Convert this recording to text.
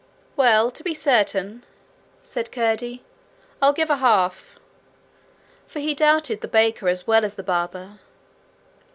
'Well, to be certain,' said Curdie, 'I'll give a half.' For he doubted the baker as well as the barber.